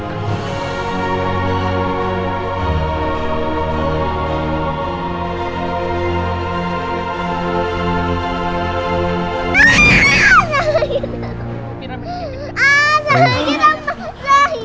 dia alliance bangin